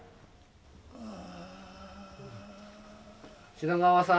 品川さん。